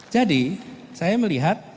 jadi saya melihat